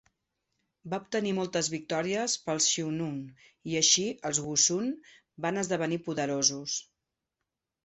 Va obtenir moltes victòries pels xiongnu i així els wu-sun van esdevenir poderosos.